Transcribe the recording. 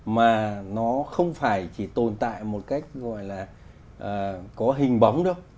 mà nó không phải chỉ tồn tại một cách gọi là có hình bóng nữa